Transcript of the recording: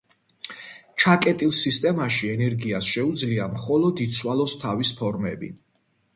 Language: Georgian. ჩაკეტილ სისტემაში ენერგიას შეუძლია მხოლოდ იცვალოს თავის ფორმები.